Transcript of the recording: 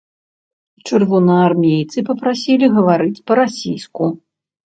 Чырвонаармейцы папрасілі гаварыць па-расійску.